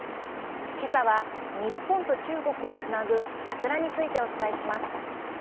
けさは日本と中国をつなぐ桜について、お伝えします。